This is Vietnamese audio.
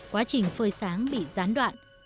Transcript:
quá trình phơi sáng bị gián đoạn